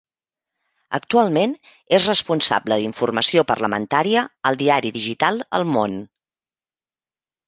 Actualment és responsable d'informació parlamentària al diari digital El Món.